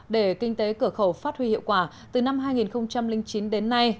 để kinh tế cửa khẩu phát huy hiệu quả từ năm hai nghìn chín đến nay